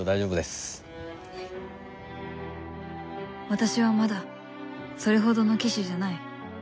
私はまだそれほどの騎手じゃない。